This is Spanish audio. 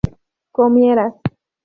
comieras